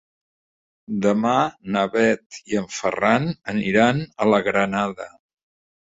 Demà na Bet i en Ferran aniran a la Granada.